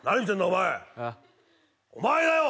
お前あっお前だよ！